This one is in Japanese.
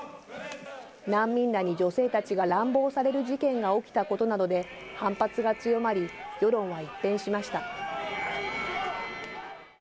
難民らに女性たちが乱暴される事件が起きたことなどで、反発が強まり、世論は一変しました。